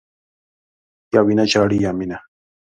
یا وینه ژاړي، یا مینه.